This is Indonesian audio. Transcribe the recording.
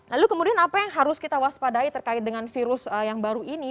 lalu kemudian apa yang harus kita waspadai terkait dengan virus yang baru ini